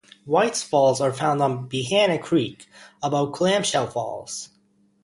Whites Falls are found on Behana Creek, above Clamshell Falls.